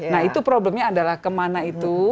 nah itu problemnya adalah kemana itu